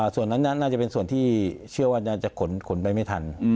ส่วนนั้นน่าจะเป็นส่วนที่เชื่อว่าน่าจะขนไปไม่ทัน